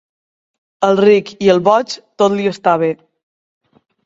Al ric i al boig tot li està bé.